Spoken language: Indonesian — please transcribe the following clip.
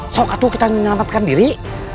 sok atuh kita nyelamatkan diri